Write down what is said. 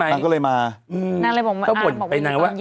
นางก็เลยมาอืมถ้าบ่นไปนะคะว่า